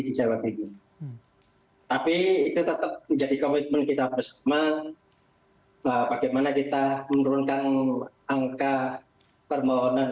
di jawa timur tapi itu tetap menjadi komitmen kita bersama bagaimana kita menurunkan angka permohonan